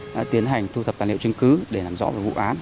đã tiến hành thu thập tài liệu chứng cứ để làm rõ về vụ án